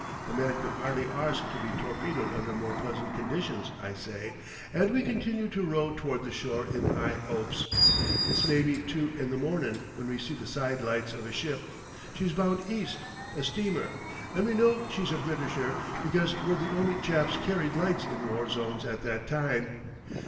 A man could 'ardly arsk to be torpedoed under more pleasant conditions, I say, and we continue to row toward the shore in 'igh 'opes. It's maybe two in the mornin' when we see the side lights of a ship. She's bound east a steamer and we know she's a Britisher, because we're the only chaps carried lights in war zones at that time.